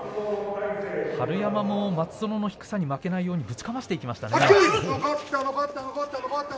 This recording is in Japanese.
春山も松園の低さで負けないようにぶちかましてきましたね。